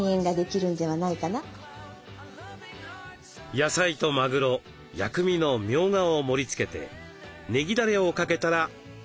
野菜とまぐろ薬味のみょうがを盛りつけてねぎだれをかけたら出来上がり。